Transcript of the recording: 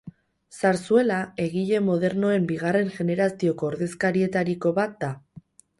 Zarzuela egile modernoen bigarren generazioko ordezkarietariko bat da.